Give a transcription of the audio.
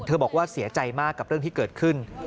บอกว่าเสียใจมากกับเรื่องที่เกิดขึ้น